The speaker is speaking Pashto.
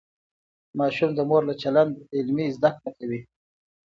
ماشوم د مور له چلند عملي زده کړه کوي.